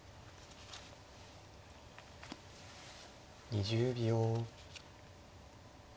２０秒。